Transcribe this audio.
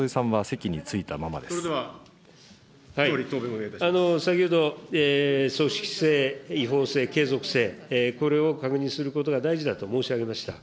それでは、総理、先ほど組織性、違法性、継続性、これを確認することが大事だと申し上げました。